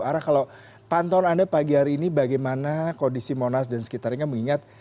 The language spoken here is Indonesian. arah kalau pantauan anda pagi hari ini bagaimana kondisi monas dan sekitarnya mengingat